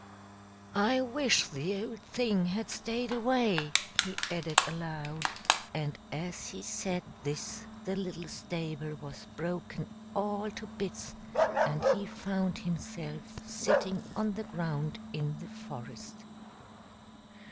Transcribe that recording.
"I wish the old thing had stayed away," he added aloud, and as he said this the little stable was broken all to bits, and he found himself sitting on the ground in the forest.